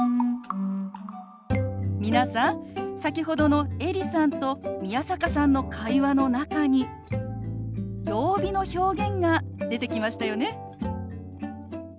皆さん先ほどのエリさんと宮坂さんの会話の中に曜日の表現が出てきましたよね。